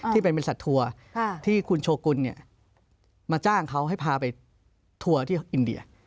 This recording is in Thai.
ที่เป็นบริษัททัวร์ที่คุณโชกุลมาจ้างเขาให้พาไปทัวร์ที่อินเดีย